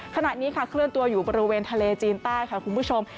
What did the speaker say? ขณะนี้ค่ะเคลื่อนตัวอยู่บริเวณทะเลจีนใต้ค่ะคุณผู้ชม